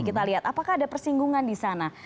kita lihat apakah ada persinggungan di sana